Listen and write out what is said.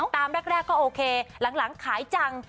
ตอนแรกก็โอเคหลังขายจัง